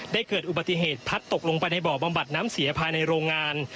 เกิดอุบัติเหตุพัดตกลงไปในบ่อบำบัดน้ำเสียภายในโรงงาน